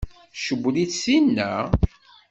Tcewwel-itt tinna?